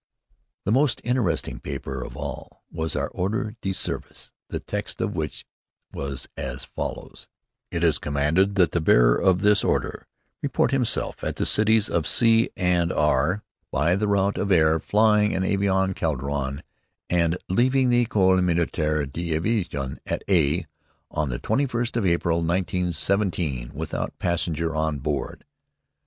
The most interesting paper of all was our Ordre de Service, the text of which was as follows: It is commanded that the bearer of this Order report himself at the cities of C and R , by the route of the air, flying an avion Caudron, and leaving the École Militaire d'Aviation at A on the 21st of April, 1917, without passenger on board.